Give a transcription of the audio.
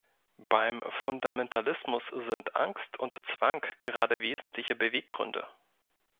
Beim Fundamentalismus sind Angst und Zwang gerade wesentliche Beweggründe.